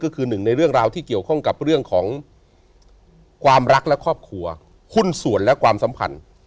ก็คือหนึ่งในเรื่องราวที่เกี่ยวข้องกับเรื่องของความรักและครอบครัวหุ้นส่วนและความสัมพันธ์